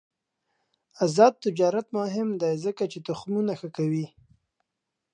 آزاد تجارت مهم دی ځکه چې تخمونه ښه کوي.